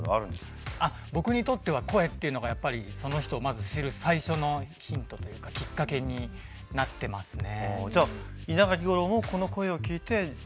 僕にとっては声っていうのがやっぱりその人をまず知る最初のヒントというかきっかけになってますね。